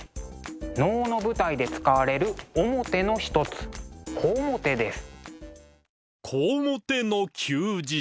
能の舞台で使われる面の一つ小面です。